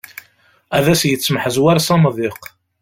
Ad as-yettemḥezwar s amḍiq.